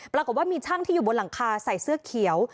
ปรากฏว่ามีช่างที่อยู่บนหลังคาใส่เสื้อเขียว